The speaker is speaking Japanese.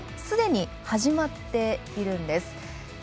すでに始まっているんです。